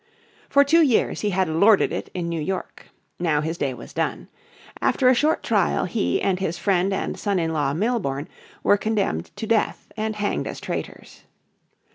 For two years he had lorded it in New York. Now his day was done. After a short trial he and his friend and son in law Milborne were condemned to death, and hanged as traitors.